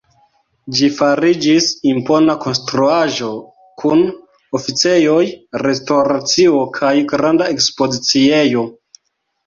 Ĝi fariĝis impona konstruaĵo kun oficejoj, restoracio kaj granda ekspoziciejo.